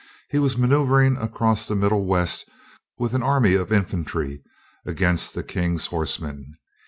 He was maneuvering across the middle west with an army of infantry against the King's horsemen.